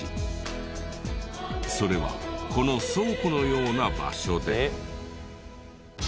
それはこの倉庫のような場所で。